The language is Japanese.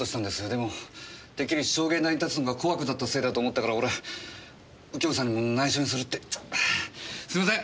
でもてっきり証言台に立つのが怖くなったせいだと思ったから俺右京さんにも内緒にするってすいません！